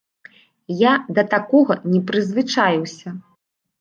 Я да такога не прызвычаіўся.